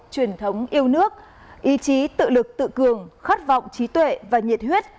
truyền thống yêu nước ý chí tự lực tự cường khát vọng trí tuệ và nhiệt huyết